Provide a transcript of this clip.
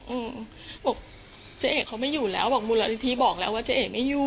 อืมบอกเจ๊เอกเขาไม่อยู่แล้วบอกมูลนิธิบอกแล้วว่าเจ๊เอกไม่อยู่